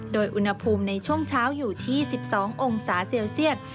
โดยอุณหภูมิในช่วงเช้าอยู่ที่๑๒องศาเซลเซียต